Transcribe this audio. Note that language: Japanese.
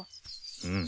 うん。